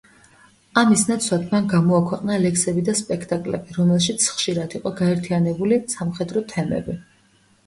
ამის ნაცვლად მან გამოაქვეყნა ლექსები და სპექტაკლები, რომელშიც ხშირად იყო გაერთიანებული სამხედრო თემები.